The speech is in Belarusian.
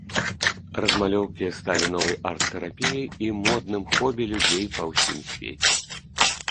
Размалёўкі сталі новай арт-тэрапіяй і модным хобі людзей па ўсім свеце.